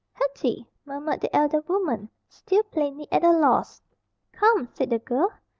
"Hetty!" murmured the elder woman, still plainly at a loss. "Come!" said the girl.